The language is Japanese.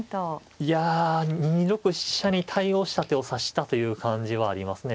いや２六飛車に対応した手を指したという感じはありますね。